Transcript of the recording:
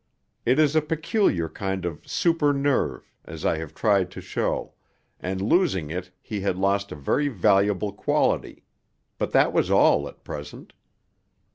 It is a peculiar kind of super nerve, as I have tried to show, and losing it he had lost a very valuable quality, but that was all at present.